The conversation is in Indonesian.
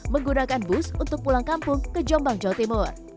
menggunakan bus untuk pulang kampung ke jombang jawa timur